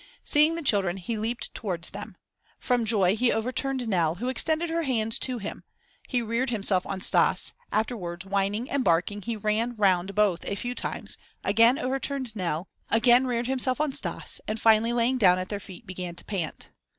Seeing the children he leaped towards them. From joy he overturned Nell who extended her hands to him; he reared himself on Stas; afterwards whining and barking he ran round both a few times, again overturned Nell, again reared himself on Stas, and finally lying down at their feet began to pant.